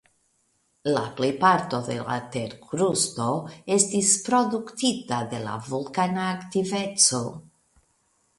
La plej parto de la terkrusto estis produktita de la vulkana aktiveco.